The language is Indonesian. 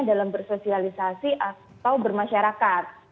dalam bersosialisasi atau bermasyarakat